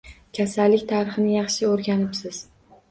Kasallik tarixini yaxshi o`rganibsiz